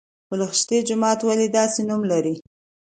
پل خشتي جومات ولې داسې نوم لري؟